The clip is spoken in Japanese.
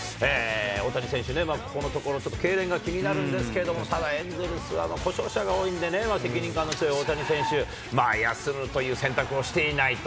大谷選手ね、ここのところ、ちょっとけいれんが気になるんですけれども、ただ、エンゼルスは故障者が多いんでね、責任感の強い大谷選手、休むという選択をしていないと。